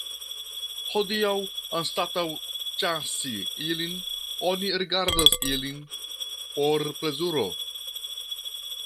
Hodiaŭ, anstataŭ ĉasi ilin, oni rigardas ilin por plezuro.